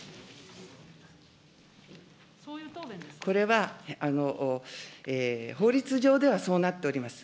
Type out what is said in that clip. これは法律上ではそうなっております。